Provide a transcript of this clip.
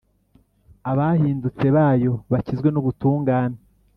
abahindutse bayo bakizwe n’ubutungane.